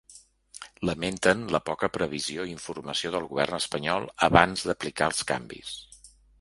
Lamenten la poca previsió i informació del govern espanyol abans d’aplicar els canvis.